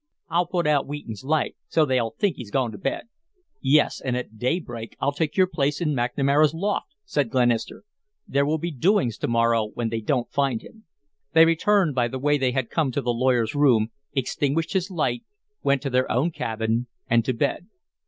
"I'll put out Wheaton's light so they'll think he's gone to bed." "Yes, and at daylight I'll take your place in McNamara's loft," said Glenister. "There will be doings to morrow when they don't find him." They returned by the way they had come to the lawyer's room, extinguished his light, went to their own cabin and to bed.